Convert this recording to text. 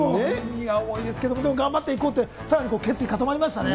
荷が重いですけど、頑張っていこうって、さらに決意固まりましたね。